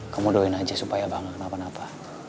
kamu doain aja supaya abah gak kenapa napa